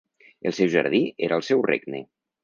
El seu jardí era el seu regne.